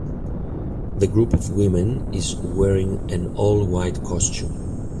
The group of women is wearing an all white costume.